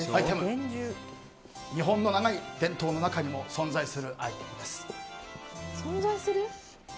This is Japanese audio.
日本の長い伝統の中にも存在するアイテムです。